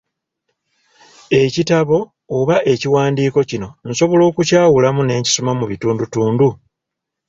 Ekitabo oba ekiwandiiko kino nsobola okukyawulamu ne nkisoma mu bitundutundu?